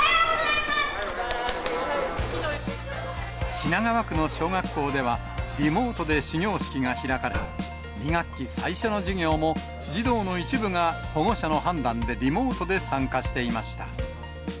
品川区の小学校では、リモートで始業式が開かれ、２学期最初の授業も、児童の一部が保護者の判断でリモートで参加していました。